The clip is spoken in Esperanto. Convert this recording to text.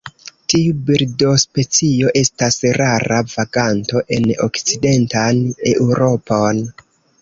Tiu birdospecio estas rara vaganto en okcidentan Eŭropon.